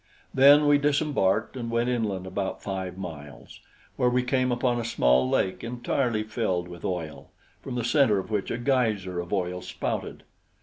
Then we disembarked and went inland about five miles, where we came upon a small lake entirely filled with oil, from the center of which a geyser of oil spouted.